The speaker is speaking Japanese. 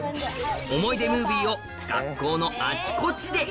思い出ムービーを学校のあちこちで！